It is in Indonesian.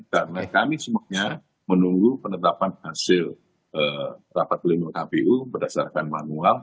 karena kami semuanya menunggu penetapan hasil rapat pelindung kpu berdasarkan manual